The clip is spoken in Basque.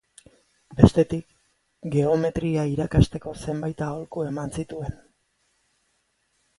Bestetik, geometria irakasteko zenbait aholku eman zituen.